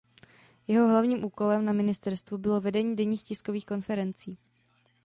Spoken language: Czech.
Jeho hlavním úkolem na ministerstvu bylo vedení denních tiskových konferencí.